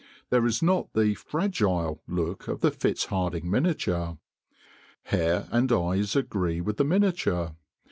There is not the 'fragile' look of the Fitzhardinge miniature. Hair and eyes agree with the miniature.